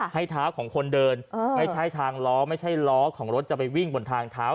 ให้เท้าของคนเดินไม่ใช่ทางล้อไม่ใช่ล้อของรถจะไปวิ่งบนทางเท้า